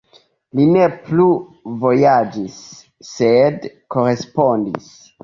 Li ne plu vojaĝis, sed korespondis.“.